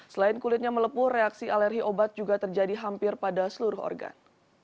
selain kulitnya melepuh reaksi alergi obat juga terjadi hampir pada seluruh organ